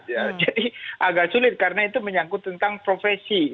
jadi agak sulit karena itu menyangkut tentang profesi